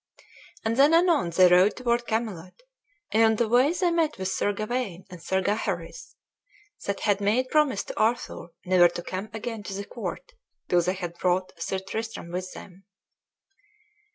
And then anon they rode toward Camelot, and on the way they met with Sir Gawain and Sir Gaheris, that had made promise to Arthur never to come again to the court till they had brought Sir Tristram with them.